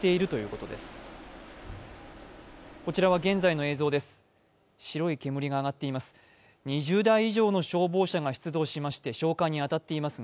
こちらは現在の映像です。